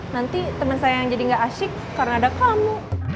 nanti temen saya yang jadi gak asyik karena ada kamu